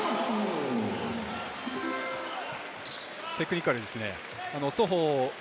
テクニカルですね。